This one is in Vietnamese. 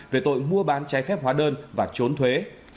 về tội mua bán trái phép hóa đơn và trốn thuế